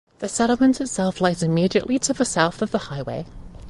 The settlement itself lies immediately to the south of the highway.